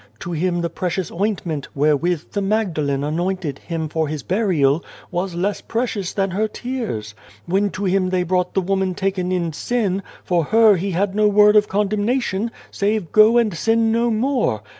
To Him the precious ointment, wherewith the Magdalen anointed 292 Without a Child Him for His burial, was less precious than her tears. When to Him they brought the woman taken in sin, for her had He no word of con demnation, save ' Go and sin no more